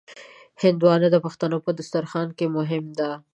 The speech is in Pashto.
هندوانه د پښتنو په دسترخوان کې مهمه ده.